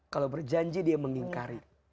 kalau berjanji dia mengingkari